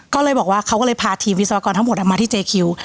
ก็เลยบอกว่าเขาก็เลยพาทีมวิศวกรทั้งหมดมาที่เจคิว